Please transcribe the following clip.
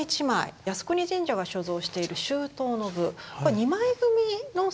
靖国神社が所蔵している秋冬の部これは２枚組の作品なんですね。